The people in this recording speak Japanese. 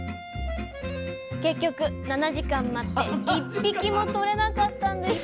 結局７時間待って１匹もとれなかったんです！